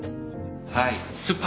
はい。